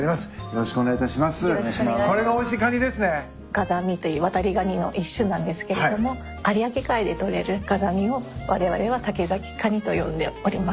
ガザミというワタリガニの一種なんですけれども有明海で取れるガザミをわれわれは竹崎カニと呼んでおります。